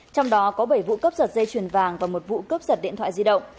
trong đó có bảy vụ cấp giật dây truyền vàng và một vụ cấp giật điện thoại di động